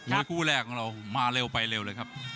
โอโหครับหมคู่แรกของเราว่ามาเร็วไปเร็วเลยครับ